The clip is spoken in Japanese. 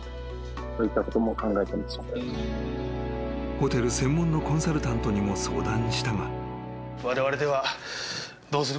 ［ホテル専門のコンサルタントにも相談したが］